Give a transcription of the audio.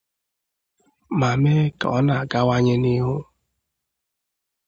ma mee ka ọ na-agawanye n'ihu.